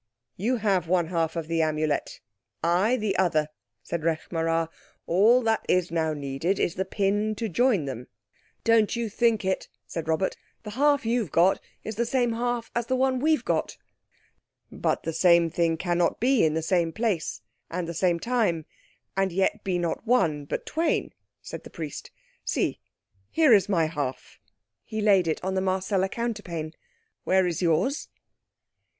"You have one half of the Amulet, I the other," said Rekh marā. "All that is now needed is the pin to join them." "Don't you think it," said Robert. "The half you've got is the same half as the one we've got." "But the same thing cannot be in the same place and the same time, and yet be not one, but twain," said the Priest. "See, here is my half." He laid it on the Marcella counterpane. "Where is yours?"